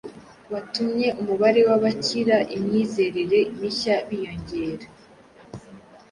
watumye umubare w’abakira imyizerere mishya biyongera.